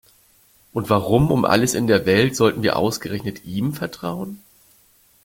Und warum um alles in der Welt sollten wir ausgerechnet ihm vertrauen?